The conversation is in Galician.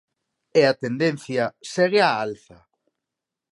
E a tendencia segue á alza.